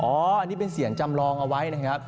อันนี้เป็นเสียงจำลองเอาไว้นะครับ